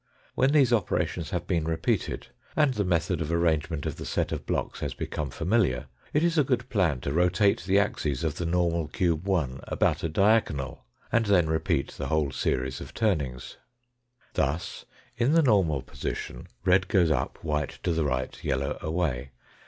When these operations have been repeated and the method of arrangement of the set of blocks has become familiar, it is a good plan to rotate the axes of the normal cube 1 about a diagonal, and then repeat the whole series of turnings. Thus, in the normal position, red goes up, white to the right, yellow away.